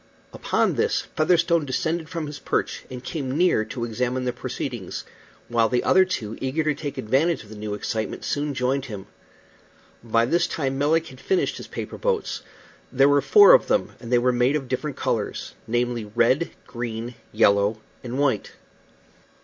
Upon this Featherstone descended from his perch, and came near to examine the proceedings, while the other two, eager to take advantage of the new excitement, soon joined him. By this time Melick had finished his paper boats. There were four of them, and they were made of different colors, namely, red, green, yellow, and white.